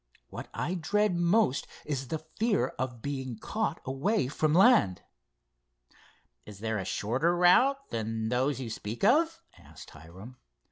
What I dread most is the fear of being caught away from land." "Is there a shorter route than those you speak of?" asked Hiram.